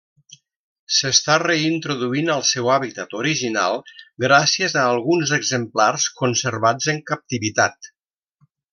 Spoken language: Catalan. S'està reintroduint al seu hàbitat original gràcies a alguns exemplars conservats en captivitat.